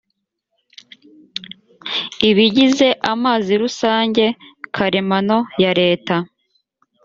ibigize amazi rusange karemano ya leta